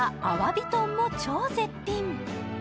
美豚も超絶品。